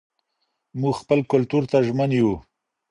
موږ خپل کلتور ته ژمن یو.